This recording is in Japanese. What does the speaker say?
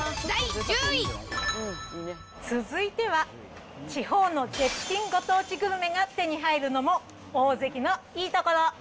続いては、地方の絶品ご当地グルメが手に入るのも、オオゼキのいいところ。